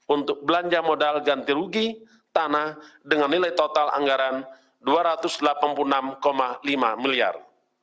untuk belanja modal ganti rugi tanah dengan nilai total anggaran rp dua ratus delapan puluh enam lima miliar